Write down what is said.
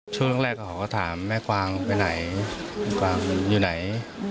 ช่วงแรกเขาก็ถามแม่กวางไปไหนแม่กวางอยู่ไหน